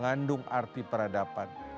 karena mengandung arti peradaban